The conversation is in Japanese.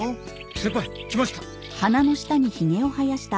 先輩来ました。